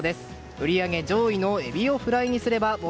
売り上げ上位のエビをフライ。